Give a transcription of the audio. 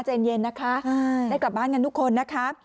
ใจเย็นนะคะได้กลับบ้านกันทุกคนนะคะ